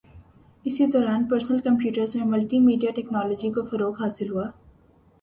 اسی دوران personal computers میں ملٹی میڈیا ٹیکنولوجی کو فروغ حاصل ہوا